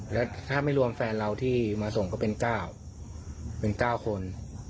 แล้วถ้าไม่รวมแฟนเราที่มาส่งก็เป็น๙เป็น๙คน